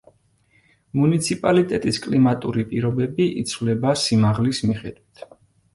მუნიციპალიტეტის კლიმატური პირობები იცვლება სიმაღლის მიხედვით.